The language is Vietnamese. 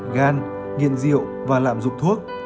gan nghiện rượu và lạm dục thuốc